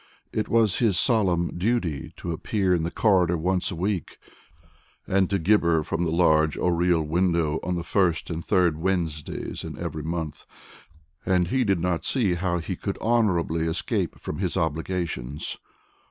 It was his solemn duty to appear in the corridor once a week, and to gibber from the large oriel window on the first and third Wednesdays in every month, and he did not see how he could honorably escape from his obligations.